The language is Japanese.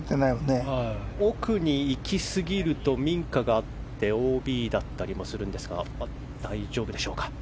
奥にいきすぎると民家があってＯＢだったりもするんですが大丈夫でしょうか。